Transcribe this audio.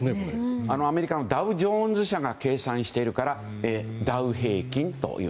アメリカのダウ・ジョーンズ社が計算しているからダウ平均という。